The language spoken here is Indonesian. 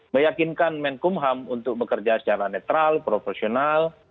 meyakinkan kemenkum ham untuk bekerja secara netral profesional